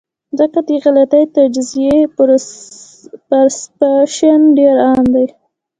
ځکه د غلطې تجزئې پرسپشن ډېر عام وي -